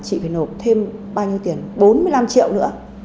chị phải nộp thêm bốn mươi năm triệu nữa